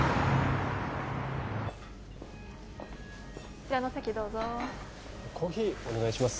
こちらのお席どうぞコーヒーお願いします